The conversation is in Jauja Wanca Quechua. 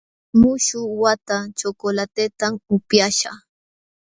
Muśhuq wata chocolatetam upyaśhaq.